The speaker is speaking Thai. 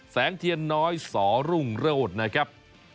แสงเทียนน้อยสอรุ่งโรศนะครับ